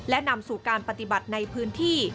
และนำสู่การปฏิบัติในพื้นที่